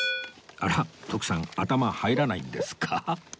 あら徳さん頭入らないんですか？